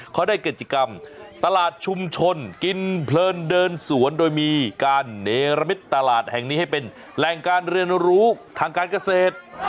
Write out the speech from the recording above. เขาได้กิจกรรมตลาดชุมชนกินเพลินเดินสวนโดยมีการเนรมิตตลาดแห่งนี้ให้เป็นแหล่งการเรียนรู้ทางการเกษตร